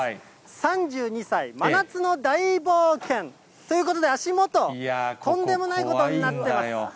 ３２歳、真夏の大冒険ということで、足元、とんでもないことになってます。